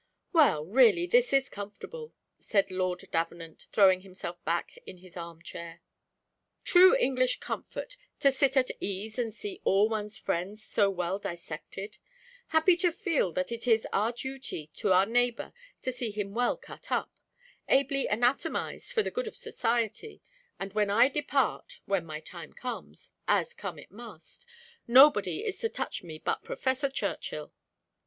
"Well, really this is comfortable," said Lord Davenant, throwing himself back in his arm chair "True English comfort, to sit at ease and see all one's friends so well dissected! Happy to feel that it is our duty to our neighbour to see him well cut up ably anatomised for the good of society; and when I depart when my time comes as come it must, nobody is to touch me but Professor Churchill.